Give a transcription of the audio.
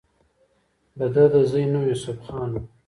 د دۀ د زوي نوم يوسف خان وۀ